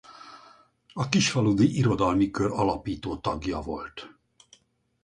A Kisfaludy Irodalmi Kör alapító tagja volt.